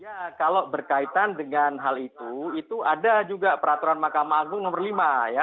ya kalau berkaitan dengan hal itu itu ada juga peraturan mahkamah agung nomor lima ya